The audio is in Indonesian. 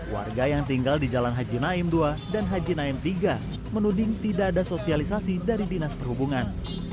warga yang tinggal di jalan haji naim ii dan haji naim tiga menuding tidak ada sosialisasi dari dinas perhubungan